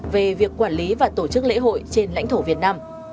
về việc quản lý và tổ chức lễ hội trên lãnh thổ việt nam